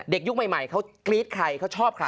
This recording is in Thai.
เด็กยุคใหม่เขาคลิดใครเขาชอบใคร